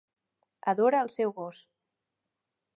Adora el seu gos